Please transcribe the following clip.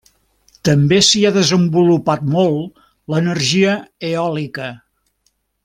També s'hi ha desenvolupat molt l'energia eòlica.